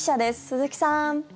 鈴木さん。